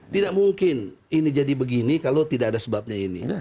tidak mungkin ini jadi begini kalau tidak ada sebabnya ini